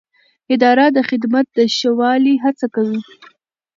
اداره د خدمت د ښه والي هڅه کوي.